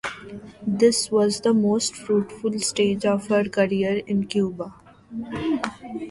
This was the most fruitful stage of her career in Cuba.